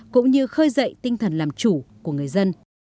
cũng như khơi dậy tinh thần làm chủ của người dân